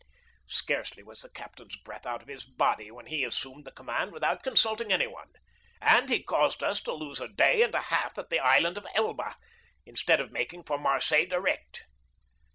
Scarcely was the captain's breath out of his body when he assumed the command without consulting anyone, and he caused us to lose a day and a half at the Island of Elba, instead of making for Marseilles direct."